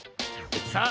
さあ